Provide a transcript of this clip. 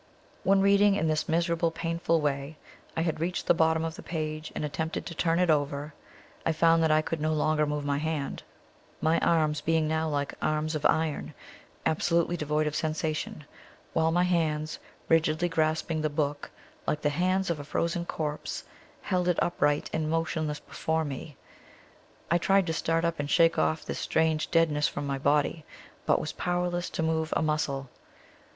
When, reading in this miserable, painful way, I had reached the bottom of the page, and attempted to turn it over, I found that I could no longer move my hand my arms being now like arms of iron, absolutely devoid of sensation, while my hands, rigidly grasping the book like the hands of a frozen corpse, held it upright and motionless before me. I tried to start up and shake off this strange deadness from my body, but was powerless to move a muscle.